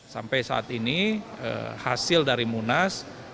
sampai saat ini hasil dari munas